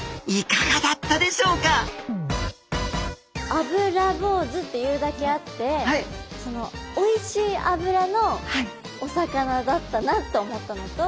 「アブラボウズ」っていうだけあってそのおいしい脂のお魚だったなと思ったのと